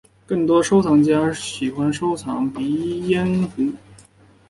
更多收藏家喜欢收藏鼻烟壶。